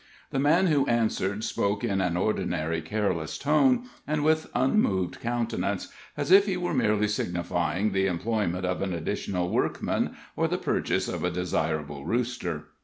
The man who answered spoke in an ordinary, careless tone, and with unmoved countenance, as if he were merely signifying the employment of an additional workman, or the purchase of a desirable rooster.